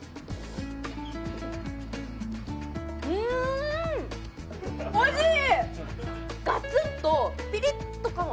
うんおいしい！